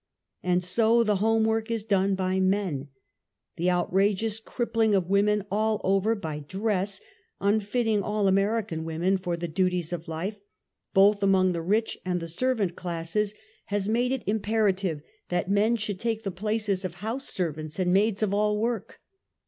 And so the home work is done by men. The outrageous crippling of women all over by dress, un fitting all American women for the duties of life, both among the rich and the servant classes, has 94 UNMASKED. made it imperative that men should take the places of house servants and maids of all work.